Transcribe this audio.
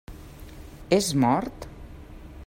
És mort?